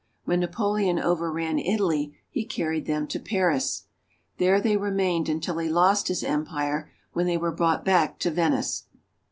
When Napoleon overran Italy he carried them to Paris. There they remained until he lost his empire, when they were brought back to Venice.